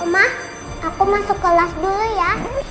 mah aku masuk kelas dulu ya